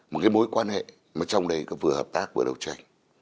một cái mối quan hệ mà trong đấy có vừa hợp tác vừa đấu tranh